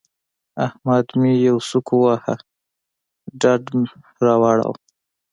احمد مې يوه سوک وواهه؛ ډډ را واړاوو.